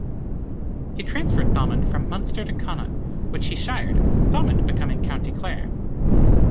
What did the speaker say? He transferred Thomond from Munster to Connaught, which he shired, Thomond becoming County Clare.